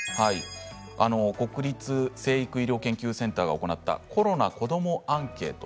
国立成育医療研究センターが行ったコロナ×こどもアンケート